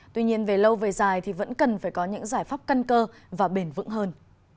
tuy nhiên về lâu về dài thì vẫn cần phải có những giải pháp căn cơ và bền vững hơn